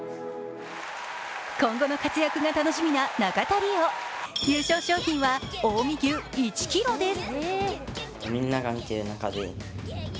今後の活躍が楽しみな中田璃士優勝賞品は近江牛１ｋｇです。